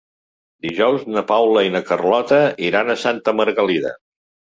Dijous na Paula i na Carlota iran a Santa Margalida.